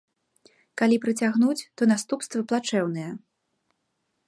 Калі прыцягнуць, то наступствы плачэўныя.